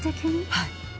はい。